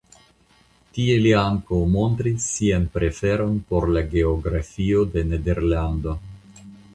Tie li ankaŭ montris sian preferon por la geografio de Nederlando.